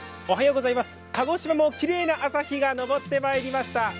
おはようございます、鹿児島もきれいな朝日が昇ってまいりました。